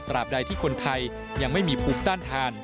ใดที่คนไทยยังไม่มีภูมิต้านทาน